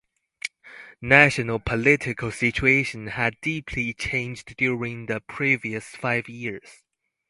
National political situation had deeply changed during the previous five years.